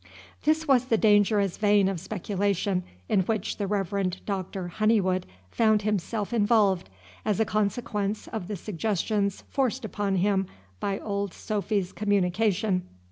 This was the dangerous vein of speculation in which the Reverend Doctor Honeywood found himself involved, as a consequence of the suggestions forced upon him by old Sophy's communication.